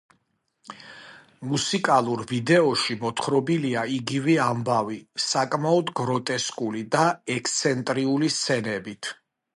მუსიკალურ ვიდეოში მოთხრობილია იგივე ამბავი, საკმაოდ გროტესკული და ექსცენტრიული სცენებით.